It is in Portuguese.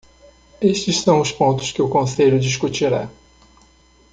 Estes são os pontos que o Conselho discutirá.